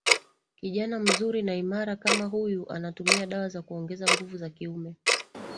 kijana mzuri na imara kama huyu anatumia dawa za kuongeza nguvu za kiume